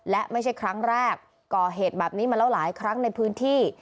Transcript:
และไม่ใช่ครั้งแรกก่อเหตุแบบนี้มาแล้วหลายครั้งในพื้นที่